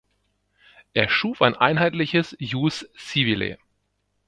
Er schuf ein einheitliches "ius civile".